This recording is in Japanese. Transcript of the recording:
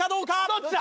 どっちだ？